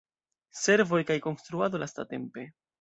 Servoj kaj konstruado lastatempe.